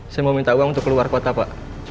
saya mau minta uang untuk keluar kota pak